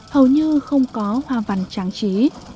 hầu như không có hoa văn tráng trí